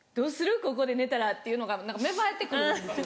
ここで寝たらっていうのが芽生えて来るんですよね。